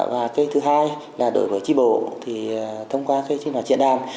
và cái thứ hai là đối với tri bộ thì thông qua cái sinh hoạt diễn đàn